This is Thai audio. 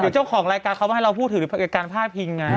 คือเจ้าของรายการเขามาให้เราพูดถึงการพาดพิงไง